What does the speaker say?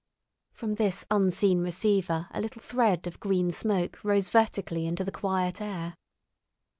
From this unseen receiver a little thread of green smoke rose vertically into the quiet air.